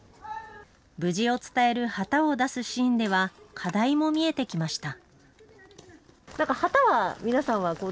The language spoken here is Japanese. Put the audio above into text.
無事を伝える旗を出すシーンでは、課題も見えてきました。